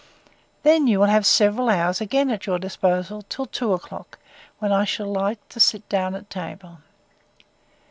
Then will you have several hours again at your disposal, till two o'clock, when I shall like to sit down at table.